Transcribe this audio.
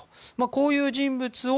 こういう人物を